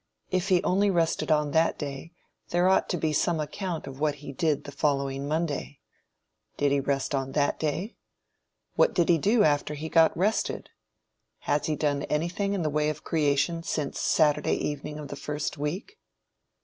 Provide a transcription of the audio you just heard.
If he only rested on that day, there ought to be some account of what he did the following Monday. Did he rest on that day? What did he do after he got rested? Has he done anything in the way of creation since Saturday evening of the first week?